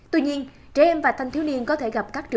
tổ chức y tế đã báo cáo bộ chính trị và xin ý kiến cho trẻ trẻ